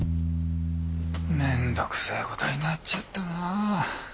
面倒くせえことになっちゃったなあ。